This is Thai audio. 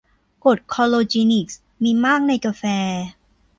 กรดคลอโรจีนิค มีมากในกาแฟ